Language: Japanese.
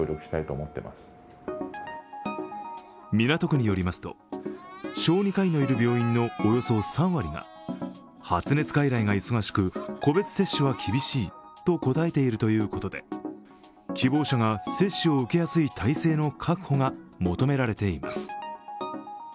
港区によりますと、小児科医のいる病院のおよそ３割が発熱外来が忙しく、個別接種は厳しいと答えているということで希望者が接種を受けやすい体制の確保が求められています。